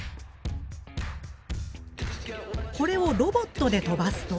これをロボットで飛ばすと。